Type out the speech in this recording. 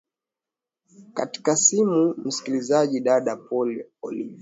katika simu msikilizaji dada poli olivi